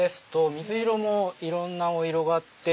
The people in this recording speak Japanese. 水色もいろんなお色があって。